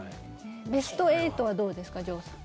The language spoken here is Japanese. ベスト８はどうですか城さん。